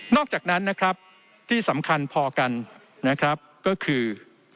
อกจากนั้นนะครับที่สำคัญพอกันนะครับก็คือ